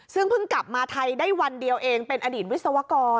ซึ่งเพิ่งกลับมาไทยได้วันเดียวเองเป็นอดีตวิศวกร